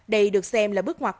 đây được xem là bước ngoặt quen